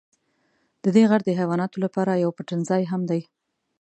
ددې غر د حیواناتو لپاره یو پټنځای هم دی.